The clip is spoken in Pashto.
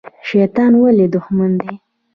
شیطان ولې دښمن دی؟